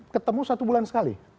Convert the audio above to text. ketemu satu bulan sekali